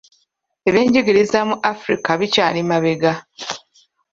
Ebyenjigiriza mu Afrika bikyali mabega.